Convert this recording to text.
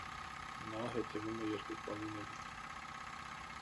Նա հետևում է երկրպագուներին։